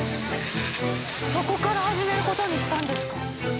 そこから始める事にしたんですか？